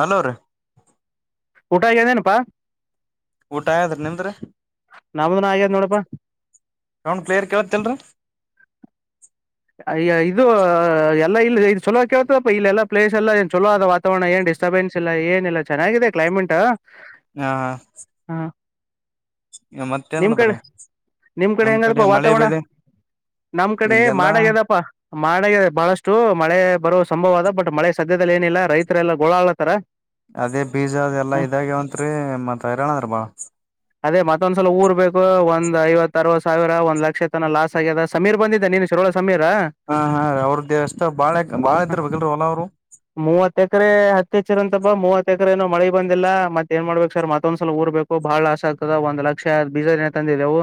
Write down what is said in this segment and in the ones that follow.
hello ರೀ ಊಟಾ ಆಗ್ಯದ ಏನಪ್ಪಾ ಊಟ ಆಗ್ಯದರಿ ನಿಮ್ಡ್ರಿ ನಮ್ದನ ಆಗ್ಯದ ನೋಡಪ್ಪಾ ಸೌಂಡ್ ಕ್ಲಿಯರ್ ಕೇಳತ್ತಲ್ರ ಅಯ್ಯ ಇದು ಎಲ್ಲಾ ಇಲ್ಲಿ ಇದು ಚಲೋ ಕೇಳ್ತಪ್ಪ ಇಲ್ಲ ಎಲ್ಲಾ ಪ್ಲೇಸ್ ಎಲ್ಲಾ ಏ ಚಲೋ ಆದ ವಾತಾವರಣ ಏನ್ ಡಿಸ್ಟರ್ಬೆನ್ಸ್ ಇಲ್ಲಾ ಏನಿಲ್ಲಾ ಚೆನ್ನಾಗಿದೆ ಕ್ಲೈಮೇಟ್ ಹಾ ಹ ಮತ್ತೇನ್ ನಿಮ್ ಕಡೆ ಮಾಡದ್ರಿ ನಿಮ್ ಕಡೆ ನಮ್ ಹೆಂಗದಪ್ಪ ಮಳೆ ವಾತಾವರಣ ಬೆಳೆ ನಮ್ ಕಡೆ ಇಲ್ಲೆಲ್ಲಾ ಮಾಡಗ್ಯದಪ ಮಾಡಗ್ಯದ ಬಹಳಷ್ಟು ಮಳೆ ಬರೋ ಸಂಭವ ಆದ ಬಟ್ ಮಳೆ ಸದ್ಯದಲ್ಲಿ ಏನಿಲ್ಲ ರೈತರೆ ಎಲ್ಲ ಗೋಳಾ ಅಲತರ ಅದೇ ಬೀಜ ಅದು ಎಲ್ಲಾ ಇದಾಗ್ಯವಂತ್ರಿ ಮತ್ ಹೈರಾಣ ಅದರಿ ಬಾಳ್ ಅದೇ ಮತ್ತೊಂದ್ಸಲ ಊರ್ ಬೇಕ ಒಂದ್ ಐವತ್ತ ಅರವತ್ತು ಸಾವಿರ ಒಂದ್ ಲಕ್ಷ ತನ ಲಾಸ್ ಆಗ್ಯದ ಸಮೀರ್ ಬಂದಿದ್ದೆ ನಿನ್ನೆ ಶಿರೋಳ ಸಮೀರ ಹ ಹಾ ಹಾ ಅವ್ರದ ಎಷ್ಟೋ ಬಾಳ ಬಾಳ ಇದೀರ ಬೇಕಲ್ಲ ಹೊಲ ಅವ್ರು ಬ ಮೂವತ್ ಎಕರೆ ಏನೋ ಮಳಿ ಬಂದಿಲ್ಲ ಮತ್ತ ಏನ್ ಮಾಡ್ಬೇಕು ಸರ್ ಮತ್ತೊಂದ್ಸಲ ಊರ್ಬೇಕು ಬಾಳ ಲಾಾಸ ಆಗ್ತದ ಒಂದ ಲಕ್ಷ ಬೀಜನೆ ತಂದಿದೆೆವು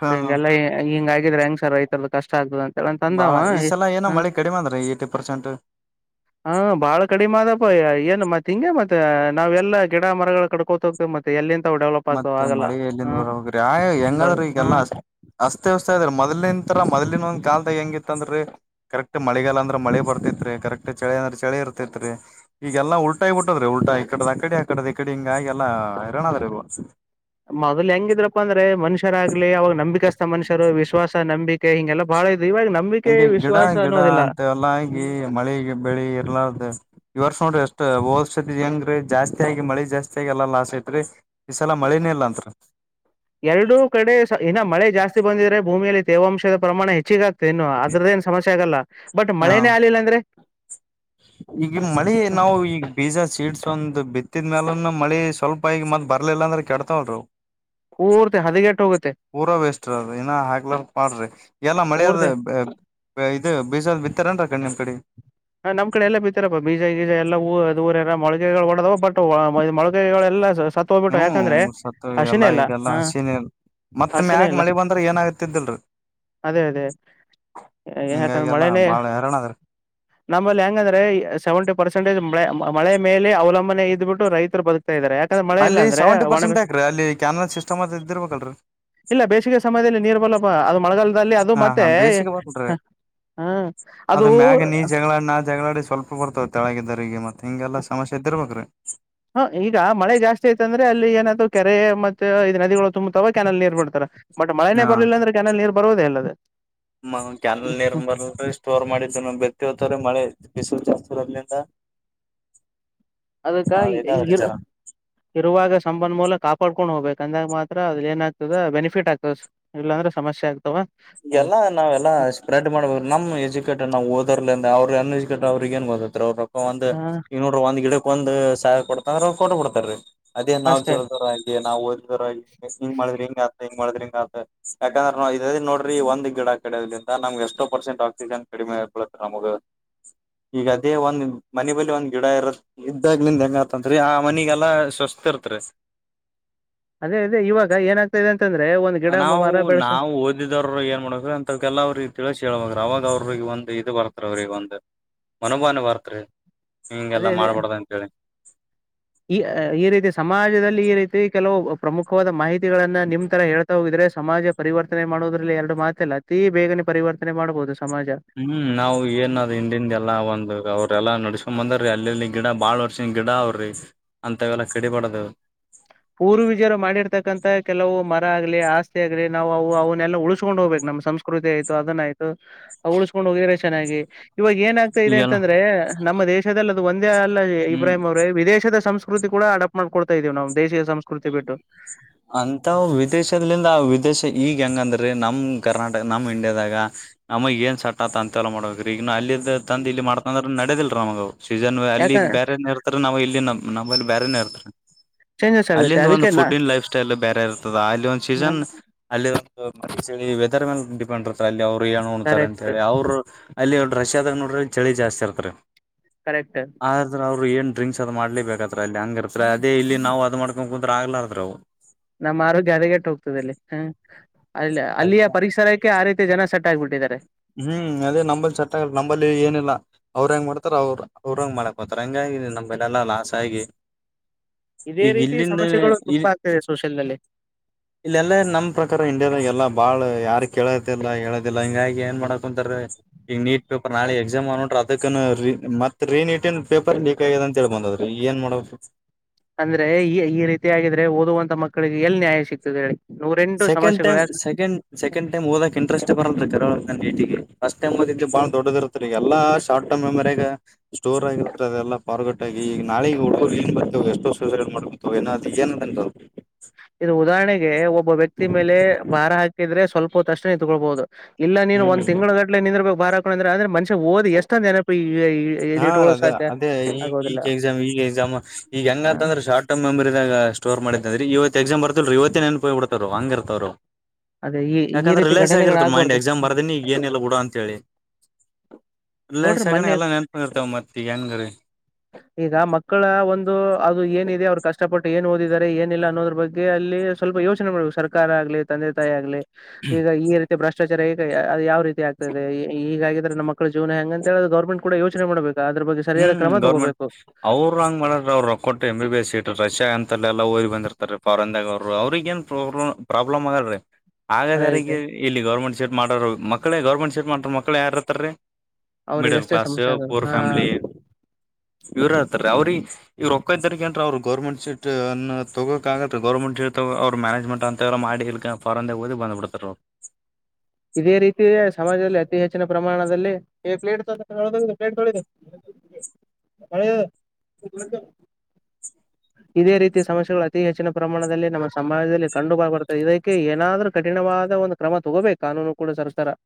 ಹಾ ಹಾ ಹಂಗೆಲ್ಲ ಹಿಂಗ ಆಗಿದ್ರೆ ಹೆಂಗ್ ಸರ್ ರೈತ ಕಷ್ಟ ಆಗ್ತದ ಹೇಳ ಬಾಳ ಅಂದವ ಈಸಲ ಏನೋ ಹ ಮಳೆ ಕಡಿಮೆ ಅದರಿ ಏಟಿ ಪರ್ಸೆಂಟ್ ಹಾ ಬಾಳ ಕಡಿಮೆ ಆದಪ್ಪ ಏನ್ ಮತ್ತ ಹಿಂಗೆ ಮತ್ತೆ ನಾವ್ ಎಲ್ಲ ಗಿಡ ಮರಗಳ ಕಡ್ಕೋತ ಹೋಗ್ತವೆ ಮತ್ತೆ ಎಲ್ಲಿಂದ ಮತ್ತ ಮಳೆ ಎಲ್ಲಿಂದ ಬರ ಬೇಕ್ರಿ ಆಯ ಬ ಹೆಂಗಾದ್ರೀ ಹ ಈಗೆಲ್ಲಾ ಅಷ್ಟ ಹಚ್ತೇವ್ ಸಾರ್ ಮಾಡ್ಲಿಂಡ್ರ ತರ ಮೊದಲಿನ ಒಂದು ಕಾಲ್ ತೆಗೆಯಂಗಿಲ್ಲ ಇತ್ತಂದರಿ ಕರೆಕ್ಟ್ ಮಳಿಗಾಲ ಅಂದ್ರ ಮಳೆ ಬರ್ತೇತ್ರಿ ಕರೆಕ್ಟ್ ಚಳಿ ಅಂದ್ರೆ ಚಳಿ ಇರ್ತೈತ್ರಿ ಈಗೆಲ್ಲಾ ಉಲ್ಟಾ ಆಗಿ ಬಿಟ್ಟದರಿ ಉಲ್ಟಾ ಈಕಡದ ಆಕಡೆ ಆಕಡೆದ ಈ ಕಡೆ ಹಿಂಗಾಗಿೆ ಎಲ್ಲ ಹೈರಾಣದ ರಿ ಮೊದ್ಲ್ ಹೆಂಗಿದ್ರಪ್ಪ ಅಂದ್ರೆ ಮನುಷ್ಯರಾಗಗ್ಲಿ ಅವಾಗ ನಂಬಿಕಸ್ತ ಮನುಷ್ಯರು ವಿಶ್ವಾಸ ನಂಬಿ ಕೆ ಹಿಂಗೆಲಾ ಬಾಳ್ ಇತ್ತ ಹಂಗೆ ಗಿಡ ಗಿಡ ಅಂತವಲ್ಲಾ ಹಂಗಿ ಹ್ಮ್ ಮಳೆ ಬೆಳಿ ಇರ್ಲಾರ್ದ ಈ ವರ್ಷ ನೋಡ್ರಿ ಎಷ್ಟ್ ಹೋದಾಸತಿ ಹೆಂಗ್ರೀ ಜಾಸ್ತಿ ಆಗಿ ಮಳಿ ಜಾಸ್ತಿ ಆಗಿ ಎಲ್ಲ ಲಾಸ್ ಐತ್ರಿ ಈ ಸಲ ಮಳಿ ನೆ ಇಲಂತ್ರಿ ಎರಡುೂ ಕಡೆ ಇನ್ನ ಮಳೆ ಜಾಸ್ತಿ ಬಂದಿದ್ರೆ ಭೂಮಿಯಲ್ಲಿ ತೇವಾಂಶದ ಪ್ರಮಾಣ ಹೆಚ್ಚಿಗತದ ಏನು ಅದರದೇನು ಸಮಸ್ಯ ಆಗಲ್ಲ ಬಟ್ ಹ ಮಳೆನೇ ಆಗಲಿಲ್ಲ ಅಂದ್ರೆ ಈಗ ಮಳೆ ನಾವು ಈಗ ಬೀಜ ಸೀಡ್ಸ್ ಒಂದು ಬಿ ತಿದ ಮ್ಯಾಲ ಮಳಿ ಸ್ವಲ್ಪ ಈಗ ಮತ್ತ ಬರ್ಲಿಲ್ಲ ಅಂದ್ರೆ ಕೆಡ್ತಾವ್ರಿ ಅವ ಪೂರ್ತಿ ಹದಗೆಟ್ಟಿ ಪೂರಾ ವೇಸ್ಟರಿ ಅದ ಇನ್ನ ಹಾಕ್ಲಾರ ಪಾಡ್ರಿ ಎಲ್ಲಾ ಮಳಿಯದ ಪೂರ್ತಿ ಇದು ಬೀಜಾ ಬಿತ್ಯಾರ ಏನ್ರಿ ಆ ಕಡಿ ನಿಮ್ ಕಡಿ ಹ ನಮ್ ಕಡೆ ಎಲ್ಲ ಬಿತ್ತಾರಪ್ಪ ಬೀಜ ಗೀಜ ಎಲ್ಲ ಊ ಅದ ಊರೆಲ್ಲ ಮೊಳಿಗೆಗಳು ಓಡಿದವು ಬಟ್ ಮೊಳಗೈಗಳೆಲ್ಲಾ ಸತ್ ಹೋಗ್ಬಿಟ್ಟು ಯಾಕಂದ್ರೆ ಹ್ಮ್ ಹಸಿನೇ ಇಲ್ಲ ಹಾ ಮತ್ತ ಮ್ಯಾಗ ಮಳಿ ಬಂದ್ರ ಏನ ಆಾಗತಿದ್ದಿಲ್ರರಿ ಅದೇ ಅದೇ ಯಾಕಂದ್ರೆ ಹಿಂಗಾಗೆಲ್ಲಾ ಮಳೆನೇ ಬಾಳ ಹೈರಾಣ ಅದ್ರಿ ನಮ್ಮಲ್ಲಿ ಹೆಂಗಂದ್ರೆ ಸೆವೆಂಟಿ ಪರ್ಸೆಂಟೇಜ್ ಮಳೆ ಮಳೆ ಮೇಲೆ ಅವಲಂಬನೆ ಇದ್ಬಿಟ್ಟು ರೈತರ ಬದು ಅಲ್ಲಿ ಸೆವೆಂಟಿ ಪರ್ಸೆಂಟ್ಾಕ್ರೀ ಅಲ್ಲಿ ಕ್ಯಾನರಲ್ ಸಿಸ್ಟಮ್ ಅದ ಇದ್ದಿರ್ಬೇಕಲ್ರರಿ ಇಲ್ಲ ಬೇಸಿಗೆ ಸಮಯದಲ್ಲಿ ನೀರ್ ಬಲ್ಲಪ್ಪ ಅದು ಮಳಗಾಲ ಅದು ಹಾ ಹಾ ಮತ್ತೆ ಬೇಸಿಗೆ ಬರಲ್ರಿ ಹ ಅದ ಅದು ಮ್ಯಾಗ ನೀ ಜಗಳಾಡ್ ನಾ ಜಗಳಾಡಿ ಸ್ವಲ್ಪ ಬರ್ತವ ತೆಳಗಿದ್ದಾರರಿಗೆ ಮತ್ತೆ ಹಿಂಗೆಲ್ಲ ಸಮಸ್ಯೆ ಇದ್ದಿರ್ಬೇಕ್ರೀ ಹ ಈಗ ಮಳೆ ಜಾಸ್ತಿ ಐತಂದ್ರೆ ಅಲ್ಲಿ ಏನತೂ ಕೆರೆ ಮತ್ತೆ ಇ ನದಿಗಳು ತುಂಬತಾವ ಕೆ್ಯನಲ್ ನೀರ್ ಬಿಡ್ತಾರ ಮಟ್ ಮಳೆನೇ ಬರಲಿಲ್ಲಂದ್ರೆ್ಯನಲ್ ನೀರ್ ಬರುವುದೇ ಅಲ್ಲದೆ ಹ ಕ್ಯಾನಲ್ ನೀರ್ ಬಂದ ಸ್ಟೋರ್ ಮಾಡಿದ್ದು ನ ಬೆತಿ ಹರ್ತ್ರೀ ಮಳೆ ಬಿಸಲು ಜಾಸ್ತಿ ಪ್ರಬಲಂತ ಅದಕ್ಕ ಇ ಇರುವಾಗ ಸಂಬಂಧ ಮೂಲಕ ಕಾಪಾಡ್ಕೊಂಡು ಹೋಗ್ಬೇಕು ಕಂದಾಗ ಮಾತ್ರ ಅದ್ ಏನ್ ಆಗ್ತದೆ ಬೆನಿಫಿಟ್ ಆಗ್ತದೆ ಇಲ್ಲಾಂದ್ರೆ ಸಮಸ್ಯೆ ಆಗ್ತದೆ ಎಲ್ಲ ನಾವೆಲ್ಲಾ ಸ್ಪ್ರೆಡ್ ಮಾಡ್ಬೇಕು ನಮ್ ಎಜುಕೇಟೆಡ್ ನಾವು ಓದೋರ್ಲಿಂದ ಅವ್ರ ೇಶ ಗ ಅವ್ರಿಗೆ ಏನ್ ಬತ್ತ ಅವ ಒಂದ ಹ ಇನ್ನ ಒಂದ ಗಿಡ ಒಂದು ಸ ಕೊಡ್ತ ಅಂದ್ರ ಕೊಟ ಕೊಡ್ತಾರೀ ಅದೇ ನಾವ್ ಅಷ್ಟೇ ಚಲೋದರ ಆಗಿ ನಾ್ ಓದಿದದ ಹಿಂಗ ಮಾಡಿದ್ರಿ ಹಿಂಗ ಅ ಹಿಂಗ ಮಾಡ್ರಿ ಹ ಇೋ ೀ ಒಂದ್ ಗಿಡ ಕಡದ್ರಿಂದ ನಮ್ಗೆ ಎಷ್ಟೋ ಪರ್ಸೆಂಟ್ ಆಕ್ಸಿಜನ್ ಕಡಿಮೆಳತ್ತ ನಮಗ ಈಗ ಅದೇ ಒಂದ್ ಮನೆ ಬಲಿ ಒಂದ್ ಗಿಡ ಇರತ್ತ ಇದ್ದಾಗ ನಿಂದ ಹೆಂಗತತ್ರಿ ಆ ಮನಿಗೆಲ್ಲಾ ಚರ್ತ್ರ ಅದೇ ಅದೇ ಇವಾಗ ಏನಾಗ್ತದೆ ಅ ನಾವು ನಾವ ಓದಿದವರು ಏನ್ ಮಾಡಬೇಕ ಅಂತ ಕೆಲ್ಲ ಅವ್ರಿಗೆ ತಿಳ ಹೇಳೇಳಳ್ಬ ಅವಾಗ ಅವ್ರಿಗೆ ಒಂದು ಇದು ಬರ್ತ್ ಅವ್ರಿಗೆ ಒಂದು ಮನಭಾನ ಬರ್ತ್ರಿ ಅದೇ ಹಿಂಗೆಲ್ಲಾ ಅದೇ ಮಾಡ್ಬಾರ್ದ ಅಂತೇಳಿ ಈ ಈ ರೀತಿ ಸಮಾಜದಲ್ಲಿ ಈ ರೀತಿ ಕೆಲವು ಪ್ರಮುಖವಾದ ಮಾಹಿತಿಗಳನ್ನ ನಿಮ್ ತರ ಹೇಳ ಹೋಗಿದ್ರೆ ಸಮಾಜ ಪರಿವರ್ತನೆ ಮಾಡೋದ್ರಲ್ಲಿ ಎರಡು ಮಾತಲ್ಲ ಅತಿ ಬೇಗನೆ ಪರಿವರ್ತನೆ ಮಾಡಬಹುದು ಸಮಾಜ ಹ್ಮ್ ನಾವವು ಏನ್ ಅದ್ ಹಿಂದನ್ ಎಲ್ಲಾ ಒಂದು ಅವ್ರೆಲ್ಲ ನಡ್ಸ್ಕೊಂಡ್ ಬಂದರಿ ರ್ಯಾಲಿ ಇಲ್ಲಿ ಗಿಡ ಬಾಳ್ ವರ್ಷ ಗಿಡ ಅವ್ರಿ ಅಂತವೆಲ್ಲಾ ಕಡಿ ಬಡದ ಪೂರ್ವವಿಜಾರ ಮಾಡಿರ್ತಕ್ಕಂಂತ ಕೆಲವು ಮರ ಆಗ್ಲಿ ಆಸ್ತಿ ಆಗ್ಲಿ ನಾವು ಅವು ಅವನ್ನೆಲ್ಲಾ ಉಳ್ಸ್ಕೊಂಡ್ ಹೋಗ್ಬೇಕು ನಾ ನಮ್ಮ ಸಂಸ್ಕೃತಿ ಆಯ್ತು ಅದನ್ನಯ್ತು ಉಳಿಸಸ್ಕೊಂಡ್ ಹೋಗಿದ್ರೆ ಚೆನ್ನಾಗಿ ಇವಾಗ ಏನ್ ಆಗ್ತಾ ಇದೆ ಈಗೆಲ್ಲ ಅಂತಂದ್ರೆ ನಮ್ಮ ದೇಶದಲ್ಲಿ ಅದು ಒಂದೇ ಅಲ್ಲ ಹ್ಮ್ ಇಬ್ರಾಹಿಂ ಅವ್ರೆ ವಿದೇಶದ ಸಂಸ್ ಸಂಕೃತಿ ಕೂಡ ಅಡಪ್ ಮಾಡ್ಡ್ತ ಇದೀ ನವು ದೇಶೀಯ ಸಂಸ್ಕೃತಿ ಬಿಟ್ಟು ಅಂತ ವಿದೇಶದಲಿಂದ ವಿದೇಶ ಈಗ ಈಗ ಹೆಂಗಂದ್ರೀ ನಮ ಕನಾರ್ಟಕ ನಮ್ ಇಂಡಿಯಾದಾಗ ನಮ ಏನ್ ಸಟ್ತ್ ಅಂತೆಲ್ಲ ಮಾಡ್ಬೇಕ್ರೀ ಈಗ ಅಲ್ಲಿ ಇ ತಂದ ಇಲ್ಲಿ ಮಾಡ್ತ್ರ ನಡೆದಿಲ್ ನಮಗ್ ಅವು ಸೀಸನ್ ಅಲ್ಲಿ ಯಾಕ ಬೇರೆ ಇರ್ತ ನಾವು ಇ ನಮ್ಮಲ್ಲಿ ಬೇರೆನೇ ಇರ್ತಾರೆ ಚೇಂಜಸ್ ಆಗುತ್ತೆ ಅಲ್ಲಿಂದ ಒಂದು ಅದಕ್ಕೆ ನಾ ಫುಡ್ ಇನ್ ಲೈಫ್ ಸ್ಟೈಲ್ ಬೇರೆ ಇರ್ತದ ಅಲ್ಲಿ ಒಂದು ಸೀಸನ್ ಅಲ್ಲಿಂದು ಮ ವೆದರ್ ಮೇಲೆ ಡಿಪೆಂಡ್ ಇರ್ತಾರೆ ಅಲ್ಲಿ ಅವ ಏನ್ ಉಂಡ್ತಾರೆ ಅಂತ ಕರೆಕ್ಟ್ ಹೇಳಿ ಅವ್ರು ಅಲ್ಲಿ ರಷ್ಯಾದಾಗ ನೋಡ್ರ ಚಳಿ ಜಾಸ್ತಿ ಇರ್ತಾರೆ ಕರೆಕ್ಟ್ ಆದ್ರಾ ಅವರು ಎಂಟು ಡ್ರಿಕ್ಸ್ ಅದ್ ಮಾಡ್ಲೆ ಬೇಕಕ್ತ್ರ ಅಲ್ಲಿ ಹಂಗ ಇರ್ತ ಅದ ಇ ನಾವು ಅದ್ಕೊಂಡ ಕುುದ್ರ ಆಗ್ಲಾರ್ರ ಅವು ನಮ್ಮ ಆರೋಗ್ಯ ಹದಗೆಟ್ಟು ಹೋಗ್ತದೆ ಅಲ್ಲಿ ಹ ಅ ಅಲ್ಲಿಯ ಅದಕ್ಕೆ ಪರಿಸರಕ್ಕೆ ಆ ರೀತಿ ಜನ ಸಟ್ಟ ಆಗ್ಬಿಟ್ಟಿದ್ದಾರೆ ಹ್ಮ್ ಅದೇ ನಂಬಲ್ ಚಟ್ ನಂಬಲ್ಲಿ ಏನಿಲ್ಲ ಅವ್ರ ಹೆಂಗ ಮಾಡ್ತಾರ ಅವ್ರರು ಅವ್ರ ಹಂಗ್ ಮಾಡಕ್ ಹೋಗ್ತಾರೆ ಹಂಗಾಗಿದೆ ನಮ್ಮ್ಲೆ ಎಲ್ಲಾ ಲಾಸ್ ಆಗಿ ಇದೇ ಈಗ ರೀತಿ ಸಮಸ್ಯೆಗಳು ತುಂಬಾ ಆಗ್ತದೆ ಸೋಷಿಯಲ್ ನಲ್ಲಿ ಇಲ್ಲೆಲ್ಲ ನಮ್ ಪ್ರಕಾರ ಇಂಡಿಯಾದಾಗ ಎಲ್ಲಾ ಬಾಳ್ ಯಾರ ಕೇಳದಿಲ್ಲ ಹೇಳದಿಲ್ಲ ಹಿಂಗಾಗಿ ಏನ್ ಮಾಡಕ್ ಕುಂತಾರಿ ಈಗ ನೀಟ್ ಪೇಪರ್ ನಾಳೆ ಎಕ್ಸಾಮ್ ಅನ್ನೋದ್ರಾಗ ಅದುಕ್ಕುನು ಮತ್ತ ರೀ ನೀಟಿಂದ್ ಪೇಪರ್ ಲೀಕ್ ಆಗದೆ ಆದ ಅಂತೇಳ್ಬಂದದ್ರೀ ಏನ್ ಮಾಡೋ ಅಂದ್ರೆ ಈ ಈ ರೀತಿ ಆಗಿದ್ರೆ ಓದುವಂತ ಮಕ್ಕಳಿಗೆ ಎಲ್ ನ್ಯಾಯ ಸಿಗ್ತದೆ ಹೇಳಿ ನೂರೆಂಟು ಸೆಕಂಡ್ ಸಮಸ್ಯೆಗಳು ಟೈಮ್ ಯಾಕ ಸೆಕ್ ಸೆಕೆಂಡ್ ಟೈಮ್ ಓದಕ್ ಇಂಟರೆಸ್ಟ್ ಬರಲ್ದ ನ ಭಟಿಗೆ ಫಸ್ಟ್ ಟೈಮ್ ಬಾಳ ದೊಡ್ಡದ ಇರ್ತ್ತ ಈ ಎಲ್ಲ ಶಾರ್ಟ್ ಟರ್ಮ್ ಮೆಮರಿ ಯಾಗ ಸ್ಟೋರ್ ಆಗಿರ್ತದೆಲ್ಲ ಎಲ್ಲ ಪಾರಗಟ್ಟ ಆಗಿ ಈಗ ನಾಳೆಗ ಹುಡುರು ಏನ್ ಬರ್ತ ಎಷ್ಟೋ ಸ್ಯೂಸೈಡ್ ಮಾಡ್ಕತವೆ ಏ ಅದ ಏನ್ ಅಂ ಇದು ಉದಾಹರಣೆಗೆ ಒಬ್ಬ ವ್ಯಕ್ತಿ ಮೇಲೆ ಭಾರ ಹಾಕಿದ್ರೆ ಸ್ವಲ್ಪ ಹೊತ್ ಅಷ್ಟೇ ನಿಂತಕೊಳ್ಬಹುದು ಇಲ್ಲ ನೀನ್ ಒಂದ್ ಹ್ಮ್ ತಿಂಗ್ಗಳ ಗಟ್ಲೆ ನಿಂದ್ರ ಬೇಕು ಬಾರ್ ಹಾಕೊಂಡ ಅಂತ ಅಂದ್ರೆ ಮನ್ಷ ಒದ ಎಷ್ಟಂದನ ಹಾ ರ ಅದೇ ಅದೇ ಈಗ ಆಗೋದಿಲ್ಲ ಈಗ ಎಕ್ಸಾಮ್ ಈಗ ಎಕ್ಸಾಮ್ ಈಗ ಹ ಹೆಂಗಂತಂದ್ರೆ ಶಾರ್ಟ್ ಟರ್ಮ್ ಮೆಮರಿ ದಾಗ ಸ್ಟೋರ್ ಮಾಡಿದ ಅ್ರ ಇವತ್ತು ಎಕ್ಸಾಮ ಬರ್ಲ್ರಿ ಇವತ್ತಿನ ನೆನಪು ಹೋಗ್ಬಿಡ್ತಾವ್ರಿ ಹಂಗ ಇರ್ತವರು ಅದೇ ಈ ಈ ಯಾಕಂದ್ರೆ ರೀತಿ ರಿಲ್ಯಕ್ಸ್ ಘಟನೆಗಳು ಆಗಿರ್ತ ಮೈಂಡ್ ಆಗ್ಬಾರ್ದು ಎಕ್ಸಾಮ್ ಬರದನಿಗ ಏನಿಲ್ಲ ಬಿಡು ಅಂತ ಹೇಳಿ ರಿಲಾಕ್ಸ್ ನೋಡ್ರಿ ಆಗಣ ಮೊನ್ನೆ ಎಲ್ಲ ನೆ ಈಗ ಮಕ್ಕಳ ಒಂದು ಅದು ಏನಿದೆ ಅವರು ಕಷ್ಟಪಟ್ಟು ಏನ್ ಓದಿದಿದ್ದಾರೆ ಏನಿಲ್ಲ ಅನ್ನೋದ್ರ ಬಗ್ಗೆ ಅಲ್ಲಿ ಸ್ವಲ್ಪ ಯೋಚನೆ ಮಾಡ್ಬೇಕು ಸರ್ಕಾರ ಆಗ್ಲಿ ತಂದೆ ತಾಯಿ ಆಗ್ಲಿ ಈಗ ಈ ರೀತಿ ಭ್ರಷ್ಟಾಚಾರ ಹಗ ಅದು ಯಾವ ರೀತಿ ಆಗ್ತದೆ ಈಗಾಗಿದ್ರೆ ನಮ್ಮ ಮಕ್ಕಳು ಜೀವನ ಹೆಂಗಂತ ಹೇಳ ಗರ್ಮಂಟ್ ಕೂಡ ಯೋಚನೆ ಮಾಡಬೇಕು ಹ್ಮ್ ಗೌರ್ಮೆಂಟ್ ಅವ್ರ ಹಂಗ್ ಮಾಡಾರ ಅವರು ರೊಕ್ಕ ಕೊಟ್ಟು M B B S seat Russia ಅಂತಲ್ಲೆಲ್ಲಾ ಓರಿ ಬಂದಿರ್ತಾರೆ ಫಾರನ್ದಾಗ ಅವರು ಅವ್ರಗ ಏನ್ ಪ್ರಬ್ ಪ್ರಾಬ್ಲಮ್ ಆಗಲ್ರಿ ಹಾಗಾದ ರೈಟ್ ಯಾರಿಗೆ ಇಲ್ಲಿ ಗೌರ್ಮೆಂಟ್ ಶಾಪ್ ಮಾಡೋರು ಮಳೇ ಗೌರ್ಮೆಂಟ್ ಶಾಪ್ ಮಾಡ್ರ ಮಕ್ಳೇ ಯಾರ ಇರ್ತ್ತಾರೀ ಮಿಡಲ್ ಅವ್ರಿಗಷ್ಟೇ ಕ್ಲಾಸ್ ಸಮಸ್ಯೆ ಆಗದು ಪುರ್ ಹಾ ಫ್ಯಾಮಿಲಿ ಇವ್ರ ಹತ್ತ ಅವ್ರಿಗೆ ಇವ್ರ ಒಕ್ಕ್ಾರೀಕ ನ್ರ ಅವರು ಗೌರ್ಮೆಂಟ್ ಸಟ್ ಅ ತಗೋಕ್ಾಗತ್ ಗೌರ್ಮೆಂಟ್ ಸೀಟ್ ಅವರು ಮನೇಜ್ಮೆಂಟ್ ಅಂತವ ಮಾಡಡಿಕ ಫಾರಿನ್ ಓದಿ ಬಂದಪಡ್ತರು ಇದೇ ರೀತಿಿಯೇ ಸಮಾಜದಲ್ಲಿ ಅತಿ ಹೆಚ್ಚಿನ ಪ್ರಮಾಣದಲ್ಲಿ ಈ ಪ್ಲೇಟ್ ತ ಪಲೇ ಹ [unintelligible] ಹೇಯ್ ಇದೇ ರೀತಿಯ ಸಮಸ್ಯೆಗಳು ಅತಿ ಹೆಚ್ಚಿನ ಪ್ರಮಾಣದಲ್ಲಿ ನಮ್ಮ ಸಮಾಜದಲ್ಲಿ ಕಂಡು ಬ ಬರ್ತ್ತದೆ ಇದಕ್ಕೆ ಏನಾದ್ರೂ ಕಠಿಣ ವಾದ ಒಂದು ಕ್ರಮ ತಗೋಬೇಕು ಕಾನೂನು ಕೂಡ ಸರಕಾರರ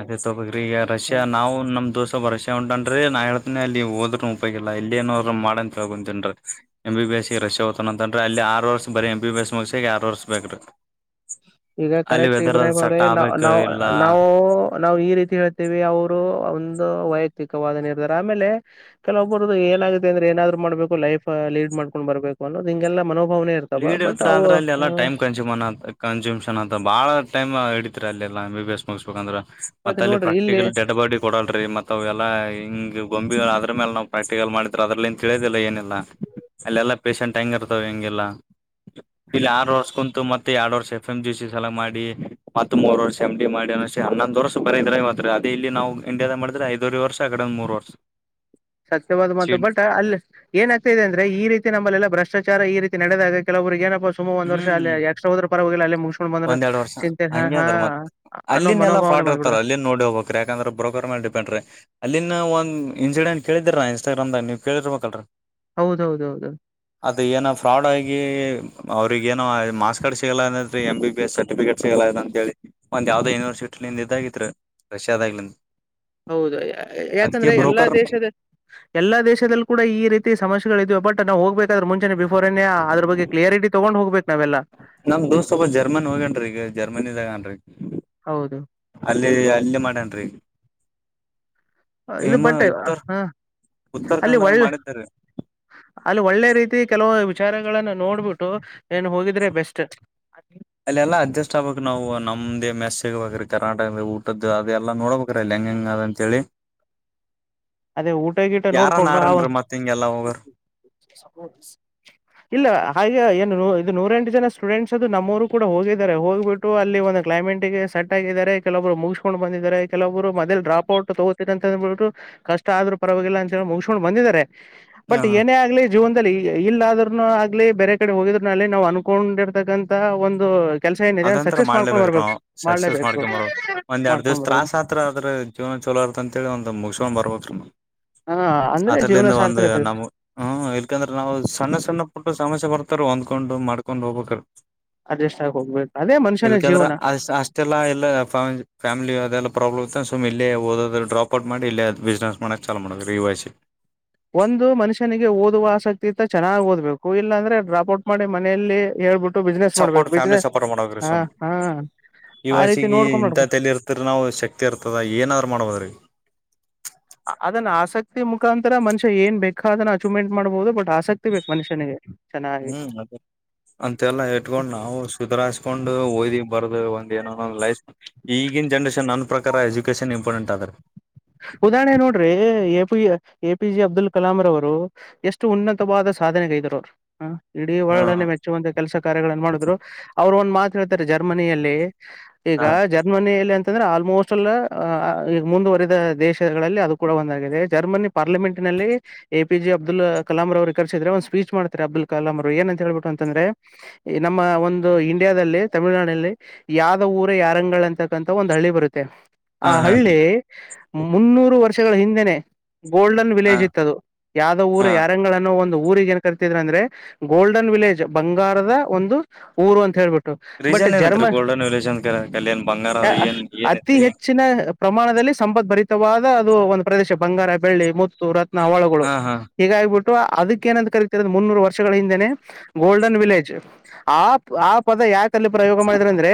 ಅದೇ ತೊಪಕ್ರಿ ಈಗ ರಷ್ಯಾ ನಾವು ನಮ್ ದೋಸ ಒಬ್ಬ ರಷ್ಯಾ ಉಂಟನ್್ರ ನಾ ಹೇಳ್ ಅಲ್ಲಿ ಹೋದ್ೂ ಉಪಯೋಗ ಇಿಲ್ಲ ಇಲ್ಲಿ ಏನೋ್ರು ಮಾಡನ್ ತಗೊಂತನ್ರಿ ಎ ಬಿ ಎಸ್ ಇ ರಶ ಹೋದನಂತರ ಅಲ್ಲಿ ಏನು ಆರು ವರ್ಷ ಬರೀ ಎಂ ಬಿಸ್ ಮುಗಸಾಗ ಆರು ವರ್ಷ ಬೇಕ್ರೀ ಈಗ ಕರೆಕ್ಟ್ ಇಬ್ರಾಮ್ ಅವ್ರೆ ನಾವ ಆಗ್ಬೇಕ ನಾ್ ಇಲ್ಲ ನಾವು ನಾವು ಈ ರೀತಿ ಹೇಳ್ತೇವಿ ಅವರು ಒಂದು ವೈಯಕ್ತಿಕವಾದ ನಿರ್ಧಾರ ಆಮೇಲೆ ಕೆಲವೊಬ್ಬರ್ದ ಚೆನ್ನಾಗಿದ್ವಿ ಅಂದ್ರೆ ಏನಾದ್ರು ಮಾಡಬೇಕು ಲೈಫ್ ಲೀಡ್ ಮಾಡ್ಕೊಂಡು ಬಬೇಕು ಅನ್ನೋದು ನಿಂಗೆಲ್ಲ ಮನೋ ಲೀಡ್ ಇರ್ತ ಆದ್ರ ಅಲ್ಲ ಎಲ್ಲ ಟೈಮ್ ಕನ್ಸ್ಯೂಮ್ ಕನ್ಸ್ಯೂಮ್ ಅಂತ ಬಾ ಟೈಮ್ ಹಡಿತತ್ರಿ ಅಲ್ಲಿಲ್ಲ ಎ ಬಿ ಎಸ್ ಮುಗಿಸಸ್ಬೇಕುಂದ್ರೆ ಮತ್ತ ಮತ್ತೆ ಅಲ್ಲಿ ನೋಡ್ರಿ ಇಲ್ಲಿ ಪ್ರಾಕ್ಟಿಕಲ್ ಡೆಡ್ ಬಾಡಿ ಕೊಡಲ್ರಿ ಮತ್ ಅವ ಎಲ್ಲಾ ಹಿಂಗ್ ಗೊಂಬಿ ಅದ್ರ ಮೇಲೆ ನಾವು ಪ್ರಾಕ್ಟಿಕಲ್ ಮಾಡಿದ್ರ ಅದ್ರಲ್ಲಿನ್ ತಿಳಿಯದಿಲ್ಲ ಏನಿಲ್ಲ ಅಲ್ಲೆಲ್ಲಾ ಪೇಶೆಂಟ್ ಹೆಂಗ ಇರ್ತ್ ಹೆಂಗೆಲ್ಲಾ ಇಲ್ಲಿ ಆರ್ ವರ್ಷ ಕುಂತು ಮತ್ತೆ ಎರಡು ವರ್ಷ ಎಫ್ ಎಂ ಜಿ ಸಿ ಸಲ ಮಾಡಿ ಮತ್ತ ಮೂರ್ ವರ್ಷ ಎಂ್ ಡಿ ಮಾಡಿ ಅಷ್ಟೇ ಹನ್ನೊಂದ್ ವರ್ಷ ಬರ ಇದ್ರೆ ಮಾತ್ರ ಅೇ ಇಲ್ಲಿ ನಾವು ಇಂಡಿಯಾದಾಗ ಮಾಡಿದ್ರೆ ಐದವರು ವರ್ಷ ಆ ಕಡ ಒ ಮೂರ್ ವರ್ಷ ಸತ್ಯವಾದ ಮಾತ್ತು ಸೀಟ್ ಬಟ್ ಅಲ್ಲಿ ಏನಾಗ್ತಾ ಇದೆ ಅಂದ್ರೆ ಈ ರೀತಿ ನಮ್ಮಲ್ಲೆಲ್ಲ ಭ್ರ ಚಾರ ಈ ರೀತಿ ನಡೆದಾಗ ಕೆಲವರಿಗೆ ಏನ ಗೊತ್ತ ಸುಮ್ ಒಂದ್ ವರ್ಷ ಅಲ್ಲ ಹ್ಮ್ ಎಕ್ಸ್ಟ್ರಾ ಹೋದ್ರ ಪರವಾಗಿೋಗಿಲ್ಲ ಅಲ್ಲಿ ಮು್ಕೊಂಡ್ ಬಂದ್ೆ ಒಂದೆರಡ್ ವರ್ಷ ಚಿಂತೆ ಹ ಹಾ ಅನ್ನೋ ಮನೋಭಾವ ಇರ್ತಾರೆ ಅಲ್ಲಿ ನೋಡಿ ಹೋಗಬೇಕ ಯಾಕಂದ್ರ ಬ್ರೋಕರ್ ಮೇಲೆ ಡಿಪೆಂಡ್ರೀ ಅಲ್ಲಿನ ಒಂದು ಇನ್ಸಿಡೆಂಟ್ ಕೇಳಿದಿರ ಇನ್ಸ್ಟಾಗ್ರಾಮ್ಾಗ ನೀವು ಕೇಳಿರ್ಬೇಕಲ್ೀ ಹೌದೌದೌದು ಅದ ಏನ ಫ್ರಾಡ್ ಆಗಿ ಅವ್ರಿಗೇನೋ ಮಾಾರ್ಸ್ ಕಾರ್ಡ್ ಸಿಗಲ ಎಂ ಬಿ ಎಸ್ ಸರ್ಟಿಫಿಕೇಟ್ ಸಿಗಲ ಅಂತಿ ಒಂದ್ ಯಾವ್ದ ಯನಿವರ್ಸಟಿ ಇಂದ ಇದ ಇದಾಗಿತ್ ರಷ್ಯಾಾದಾಗ್ಲ ಹೌದು ಯಾಕಂದ್ರೆ ಎಲ್ಲಾ ಬ್ರೋಕರ್ ದೇಶದ ಎಲ್ಲ ದೇಶದಲ್ಲಿ ಕೂಡ ಈ ರೀತಿ ಸಮಸ್ಯೆಗಳ ಇದ್ಬಟ್ ನಾವು ಹೋಗ್ಬೇಕಾದ್ರೆ ಮುಂಚೆನೆ ಬಿಫೋರ್ ಅದ್ರ ಬಗ್ಗೆ ಕ್ಲಿಯಾರಿಟಿ ತೊಗೊಂಡು ಹೋಗ್ಬೇಕ ನಾವೆಲ್ಲ ನಮ್ ದೋಸ್ ಸ್ವಲ್ಪ ಜರ್ಮನ್ ಹೋಗೇನ್ ಈಗ ಜರ್ಮನಿ ಇದಾಗನ್ ಹೌದು ಅಲ್ಲ ಅಲ್ಲೇ ಮಾಡೇನ್ರಿ ಇದು ಬಟ್ಟೆ ಹ ಉತ್ತರ ಅಲ್ಲಿ ಕನ್ನಡದಾಗ ಒಳ್ಳೆ ಮಾಡಿದ್ದಾರೀ ಅಲ್ಲಿ ಒಳ್ಳೆ ರೀತಿ ಕೆಲವು ವಿಚಾರಗಳಗಳನ್ನು ನೋಡ್ಬಿಟ್ಟು ಏನ್ ಹೋಗಿದ್ರೆ ಬೆಸ್ಟ್ ಅಲ್ಲೆಲ್ಲಾ ಅಡ್ಜಸ್ಟ್ ಆಗ್ಬೇಕು ನಾವು ನಮ್ದೇ ಮ ಸೇವವು ಕರ್ನಾಟಕದ ಊಟದ್ದು ಅದೆ ಎಲ್ಲಾ ನೋಡ್ಬೇಕ್ರ ಅಲ್ಲಿ ಹೆಂಗ ಹೆಂಗ ಅದ ಅಂತ ಹೇಳಿ ಅದೇ ಊಟ ಗಿಟ ನೋಡ್ಕೊಂಡು ಆರನ್ರಿ ಮತ್ ಹಿಂಗೆಲ್ಲಾ ಹೋಗರ್ ಇಲ್ಲ ಹಾಗೆ ಏನು ಇದು ನೂರಂಟು ಜನ ಸ್ಟೂಡೆಂಟ್ಸ್ ಅದು ನಮ್ಮೂರು ಕೂಡ ಹೋಗಿದ್ದಾರೆ ಹೋಗ್ಬಿಟ್ಟು ಅಲ್ಲಿ ಒಂದ ಕ್ಲೈಮೇಟ್ ಗೆ ಸೆಟ್ ಆಗಿದ್ದಾರೆ ಕೆಲೊಬ್ರು ಮುಗಸ್ಕೊಂಡು ಬಂದಿದ್ದಾರೆ ಕೆಲೊಬ್ರು ಮೊದಲುಮಡ್ರಾಪ್ ಔಟ್ ತಗೋುತ್ತಾರೆ ಅಂತ ಅಂದ್ಬಿು ಕಷ್ಟ ಆದ್ರೂ ಪರವಾಗಿಲ್ಲ ಅಂತ ಮುಗಿಸಸ್ಕೊಂಡು ಬಂದಿದ್ದಾರೆ ಬಟ್ ಏನೇ ಆಗ್ಲಿ ಜೀವನದಲ್ಲಿ ಇಲ್ಲ ಆದ್ರನು ಆಗ್ಲಿ ಬೇರೆ ಕಡೆ ಹೋಗಿದ್ರನ ಅಲಿ ನಾವು ಅನ್ಕೊಂಡಿರ್ತಕ್ಕಂತ ಒಂದು ಕೆಲಸ ಏನಿದೆ ಅದಂಂತತ್ರ ಸಕ್ಸಸ್ ಮಾಡ್ಕೊಂಡ್ ಮಾಡ್ಲೇಬೇಕ್ರ ಬರ್ಬೇಕು ನಾ್ ಸಕ್ಸಸ್ ಮಾಡ್ಲೇಬೇಕು ಮಾಡ್ಕೊಂಬರ ಒಂದ್ ಎರಡ್ ದಿವ್ಸ ಮಾಡ್ಕೊಂಡ್ ಬರ್ಬೇಕು ತತ್ರಾಸಸ್ ಹತ್ರ ಆದ್ರ ಜೀವನ ಅಂತೇಳಿ ಒಂದ್ ಮುಗಕೊಂಡ್ ಬರ್ಬೋದ ಹ ಅಂದ್ರೆ ಜೀವನ ಅದ್ರಲಂದ ಒಂದು ಸಾರ್ಥಕತೆ ನಮ್ ಹ್ಮ ಇಲ್ಕಂದ್ರೆ ನಾವು ಸಣ್ಣ ಸಣ್ಣ ಪುಟ್ಟು ಸಮಸ್ಯೆ ಬರ್ತ ತರ್ ಹೊಂದ್ಕೊಂಡು ಮಾಡ್ಕೊಂಡ್ ಹೋಗ್ಬೇಕು ಅಡ್ಜಸ್ಟ್ ಆಗ್ ಇಲ್ಕ ಅಂದ್ರ ಅ ಅಷ್ಟೆಲ್ಲಾ ಇಲ್ಲ ಫ್ಯಾಮಿಲಿ ಅದೆಲ್ಲ ಪ್ರಾಬ್ಲಮ್ ಇತ್ತುದೆೆ ಸುಮ ಇೇ ಓದೋದು ಡ್ರಾಪ್ ಔಟ್ ಮಾಡ ಇೇ ಅದು ಬಿಸ್ನೆಸ್ ಮಾಡೋಕ್ಕೆ ಚಲ ಮಾಡೋದು ರಿವೈಸ ಒಂದು ಮನುಷ್ಯನಿಗೆ ಓದುವ ಆಸಕ್ತಿ ೀರ್ ಚೆನ್ನಾಗಿ ಓದ್ಬೇಕು ಇಲ್ಲಾಂದ್ರೆ ಡಾಪ್ ಔಟ್ ಮಾಡಿ ಮನೆಯಲ್ಲಿ ಹೇಳ್ಬಿಟ್ಟು ಬಿಸ್ನೆಸ್ ಮಾಡ್ಬೇಕು ಸಪೋರ್ಟ್ ಫ್ಯಾಮಿಲಿ ಬಿಸ್ನೆಸ್ ಸಪೋರ್ಟ್ ಮಾಡಬೇಕ್ರಿ ಹ ಸುಮ್ ಹಾ ಈ ಆ ರೀತಿ ವಷಿಗೆ ನೋಡ್ಕೊಂಡ್ ಇಂಥ ಮಾಡ್ಕೊ ತಲಿ ಇರ್ತ್ರ ನಾವು ಶಕ್ತಿ ಇರ್ತದ ಏನಾದ್ರು ಮಾಡ್ಬೋದ್ರಿ ಅದನ್ನ ಆಸಕ್ತಿ ಮುಖಾಂತರ ಮನುಷ್ಯ ಏನ್ ಬೇಕಾ ಅದನ್ನ ಅಚೀವ್ಮೆಂಟ್ ಮಾಡ್ಬಹುದು ಬಟ್ ಆಸಕ್ತಿ ಬೇಕು ಮನುಷ್ಯನಿಗೆ ಚೆನ್ನಾಗಿ ಹ್ಮ್ ಅದ ಅಂತೆಲ್ಲಾ ಇಟ್ಕೊಂಡ್ ನಾವು ಸುಧರಾಸ್ಕೊಂಡು ೋ್ದೀವಿ ಬರದು ಒಂದ ಏನೋೊ ಲೈಫ್ ಈಗಿನ ಜನ್ರೇಷನ್ ನನ್ ಪ್ರಕಾರ ಎಜುಕೇಶನ್ ಇಂಪಾರ್ಟೆಂಟ್ ಆದ್ರೆ ಉದಾಹರಣೆ ನೋಡ್ರಿ A P A P J Abdul Kalam ರವರು ಎಷ್ಟು ಉನ್ನತವಾದ ಸಾಧನೆಗೈದರು ಅವರು ಹ ಇಡೀ ಹಾ ವರ್ಡ್ ಅಲ್ಲಿೇ ಮೆಚ್ಚುವಂತ ಕೆಲಸ ಕಾರ್ಯಗಳನ್ನು ಮಾಡಿದ್ರು ಅವ್ರು ಒಂದ್ ಮಾತ ಜರ್ಮನಿಯಲ್ಲಿ ಈಗ ಹಾ ಜರ್ಮನಿಯಲ್ಲಿ ಅಂತಂದ್ರೆ ಆಲ್ಮೋಸ್ಟ್ ಎಲ್ಲ ಈಗ ಮುಂದುವರೆ ದೇಶಗಳಲ್ಲಿ ಅದು ಕೂಡ ಒಂದಾಗಿದೆ ಜರ್ಮನಿ ಪಾರ್ಲಿಮೆಂಟ್ ನಲ್ಲಿ ಎಪಿ ಜೆ ಅಬ್ದುಲ್ ಕಲಾಂ ರ ಅವ ಕರ್ ್ರೆ ಒಂದು ಸ್ಪೀಚ್ ಮಾಡ್ತಾರೆ ಅಬ್ದುಲ್ ಕಲಾಂರು ಏನ್ಂತ ಹೇಳ್ಬಿು ಅಂತಂದ್ರೆ ನಮ್ಮ ಒಂದು ಇಂಡಿಯಾದಲ್ಲಿ ತಮಿಳ ತಮಿಳಳ್ನಾಡಿನಲ್ಲಿ ಯಾವ ಊರ ಯಾರಂಗಳ ಅಂತಕ್ಕಂಥ ಒಂದ್ ಹಳ್ಳಿ ಬರುತ್ತೆ ಆ ಹಾ ರೀ ಹಳ್ಳಿ ಮುನ್ನೂರು ವರ್ಷಗಳ ಹಿಂದೆನೆ ಗೋಲ್ಡನ್ ಹಾ ವಿಲೇಜ್ ಇತ್ತದು ಯಾವ್ದ ಊರ ಹಾ ಯಾರಂಗ ಅನ್ನೋ ಒಂದು ಊರಿಗೆ ಏನ್ ಕರಿತಿದ್ರ ಅಂದ್ರೆ ಗೋಲ್ಡನ್ ವಿಲೇಜ್ ಬಂಗಾರದ ಒಂದು ಊರು ಅಂತ ಹೇಳ್ಬಿಟ್ಟು ಬಟ್ ರೀಸನ್ ಜರ್ಮ ಏನತ್ರಿ ಗೋಲ್ಡನ್ ವಿಲೇಜ್ ಅಂತ ಕಲ್ಲಿ ಏನ್ ಬಂಗಾರ ಅದ ಏನ್ ಅತಿ ಏನೈತಿ ಹೆಚ್ಚಿನ ಪ್ರಮಾಣದಲ್ಲಿ ಸಂಪ ಸಂಪತ್ ಭರಿತವಾದ ಅದು ಒಂದು ಪ್ರದೇಶ ಬಂಗಾರ ಬೆಳ್ಳಿ ಮುತ್ತು ರತ್ನ ಒಳಗಳು ಹಾ ಹಾ ಹೀಗಾಗಿಬಿಟ್ಟು ಅದಕ್ಕೇನಂತ ಕರತರ ಮುನ್ನೂರು ವರ್ಷಗಳ ಹಿಂದೆನೆ ಗೋಲ್ಡನ್ ವಿಲೇಜ್ ಆ ಆ ಪದ ಯಾಕೆ ಅಲ್ಲಿ ಪ್ರಯೋಗ ಮಾಡಿದ್ರ ಅಂದ್ರೆ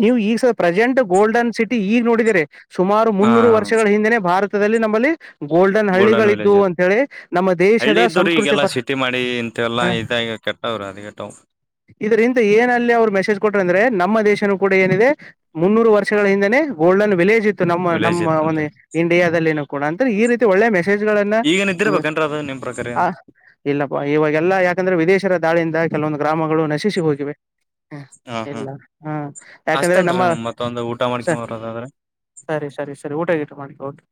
ನೀವು ಈಗ ಪ್ರೆಸೆಂಟ್ ಗೋಲ್ಡನ್ ಸಿಟಿ ಈಗ ನೋಡಿದೀರಿ ಸುಮಾರು ಹಾ ಮುನ್ನೂರು ವರ್ಷಗಳ ಹಿಂದೆನೆ ಭಾರತದಲ್ಲಿ ನಮ್ಮಲ್ಲಿ ಗೋಲ್ಡನ್ ಹಳ್ಳಿಗಳಿದ್ದು ವಿಲೇಜ್ ಅದ ಅಂಂತ ಹೇಳಿ ನಮ್ಮ ದೇಶದ ಹಳ್ಳಿ ಇದ್ದುರಿ ಸಂಸ್ಕೃತಿ ಪರ ಹ ಕೆಟ್ಟ ವರ ಅದು ಕೆಟ್ಟವು ಇದರಿಂದ ಏನ ಅಲ್ಲಿ ಅವ್ರು ಮೆಸೇಜ್ ಕೊಟ್ರ ಅಂದ್ರೆ ನಮ್ಮ ದೇಶನು ಕೂಡ ಏನಿದೆ ಮುನ್ನೂರು ವರ್ಷಗಳ ಹಿಂದೆನೆ ಗೋಲ್ಡನ್ ವಿಲೇಜ್ ಇತ್ತು ನಮ್ಮ ವಿಲೇಜ್ ನಮ್ಮ ಇತ್ತಂತ ಒಂದು ಇಂಡಿಯಾದಲ್ಲಿನ ಕೂಡ ಅಂದ್ರೆ ಈ ರೀತಿ ಒಳ್ಳೆ ಮೆಸೇಜ್ ಗಳನ್ನ ಈಗೇನ್ ಇದ್ದಿರ್ಬೇಕೇನ್ರೀ ಅದು ನಿಮ್ ಪ್ರಕಾರ ಏನ್ ಹ ಇಲ್ಲಪ್ಪಾ ಇವಾಗೆಲ್ಲಾ ಯಾಕಂದ್ರೆ ವಿದೇಶರ ದಾಳಿಯಿಂದ ಕೆಲವೊಂದು ಗ್ರಾಮಗಳು ನಶಿಸಿ ಹೋಗಿವೆ ಹ ಹಾ ಹಾ ಎಲ್ಲ ಹಾ ಯಾಕಂದ್ರೆ ನಮ್ಮ ಅಸ್ತೇನ್ರಿ ಮತ್ತೊಂದು ಊಟ ಸ ಮಾಡ್ಕೊಂಬರದಾದ್ರೆ ಸರಿ ಸರಿ ಸರಿ ಊಟಗಟ್ಟು ಮಾಡ್ೌದು